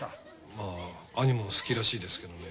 まぁ兄も好きらしいですけどね。